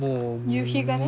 夕日がね。